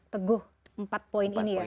teguh empat poin ini ya